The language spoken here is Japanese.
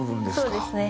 そうですね。